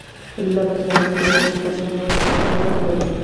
له بریښنایي وسایلو لږه فاصله نیول سترګو ته ګټه لري.